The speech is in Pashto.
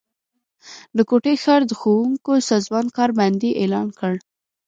د کوټي ښار د ښونکو سازمان کار بندي اعلان کړه